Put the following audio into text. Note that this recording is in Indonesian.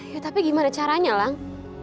ya tapi gimana caranya bang